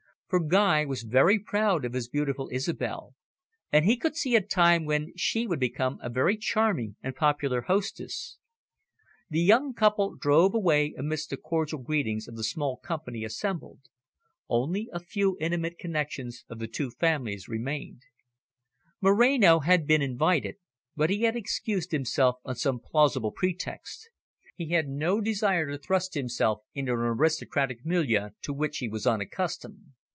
For Guy was very proud of his beautiful Isobel, and he could see a time when she would become a very charming and popular hostess. The young couple drove away amidst the cordial greetings of the small company assembled. Only a few intimate connections of the two families were present. Moreno had been invited, but he had excused himself on some plausible pretext. He had no desire to thrust himself into an aristocratic milieu, to which he was unaccustomed.